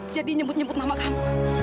jadi nyebut nyebut mama kamu